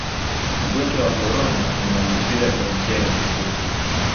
ugonjwa wa korona unaambukiza kwa njia ya mlipuko